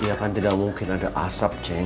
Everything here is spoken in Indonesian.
ya kan tidak mungkin ada asap ceng